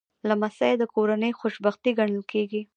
لمسی د کورنۍ خوشبختي ګڼل کېږي.